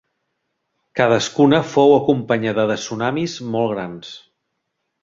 Cadascuna fou acompanyada de tsunamis molt grans.